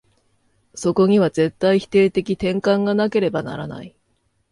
そこには絶対否定的転換がなければならない。